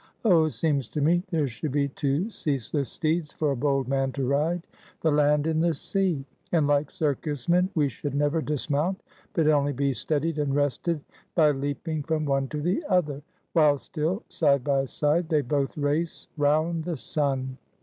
Oh, seems to me, there should be two ceaseless steeds for a bold man to ride, the Land and the Sea; and like circus men we should never dismount, but only be steadied and rested by leaping from one to the other, while still, side by side, they both race round the sun.